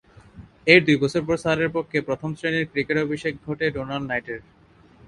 এর দুই বছর পর সারের পক্ষে প্রথম-শ্রেণীর ক্রিকেটে অভিষেক ঘটে ডোনাল্ড নাইটের।